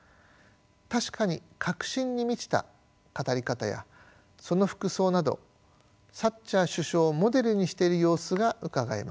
確かに確信に満ちた語り方やその服装などサッチャー首相をモデルにしている様子がうかがえます。